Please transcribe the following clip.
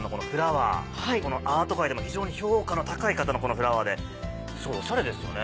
アート界でも非常に評価の高い方のフラワーですごいオシャレですよね。